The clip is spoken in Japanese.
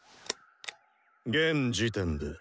現時点で。